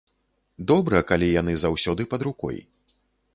Добра, калі яны заўсёды пад рукой.